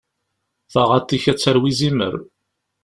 Taɣaṭ-ik ad d-tarew izimer.